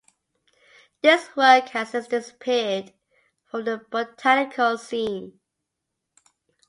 This work has since disappeared from the botanical scene.